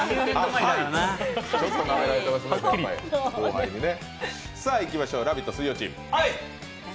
ちょっとなめられてますね、後輩にね。